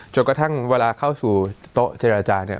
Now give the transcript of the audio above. จนกระทั่งเวลาเข้าสู่โต๊ะเจรจาเนี่ย